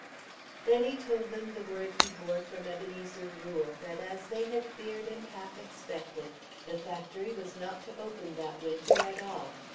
Then he told them the word he bore from Ebenezer Rule that as they had feared and half expected, the factory was not to open that Winter at all.